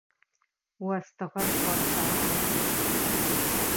Остыгъэр кӏосагъэ.